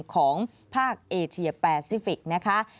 ของภาคเอเชียแปซิฟิกนะคะ